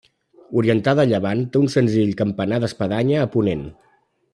Orientada a llevant, té un senzill campanar d'espadanya a ponent.